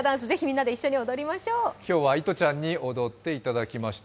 今日はいとちゃんに踊っていただきました。